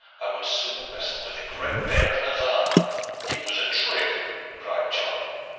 I would sooner wrestle with the great bear of Navarre." "It was a trick," cried John.